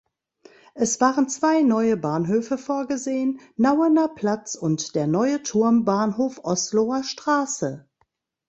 Es waren zwei neue Bahnhöfe vorgesehen: Nauener Platz und der neue Turmbahnhof Osloer Straße.